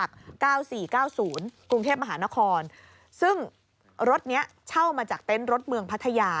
กรุงเทพมหานครซึ่งรถนี้เช่ามาจากเต็นต์รถเมืองพัทยา